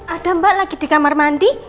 ada mbak lagi di kamar mandi